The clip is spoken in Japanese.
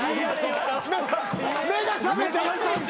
目が覚めた。